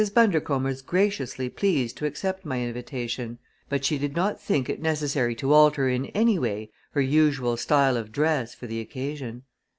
Bundercombe was graciously pleased to accept my invitation; but she did not think it necessary to alter in any way her usual style of dress for the occasion.